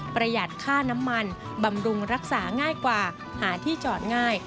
ประหยัดค่าน้ำมันบำรุงรักษาง่ายกว่าหาที่จอดง่าย